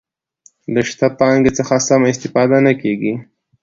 له شته پانګې څخه سمه استفاده نه کیږي.